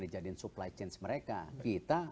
dijadikan supply chain mereka kita